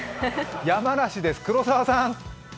山梨です、黒澤さん。